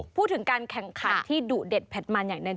พูดถึงการแข่งขันที่ดุเด็ดเผ็ดมันอย่างหนึ่ง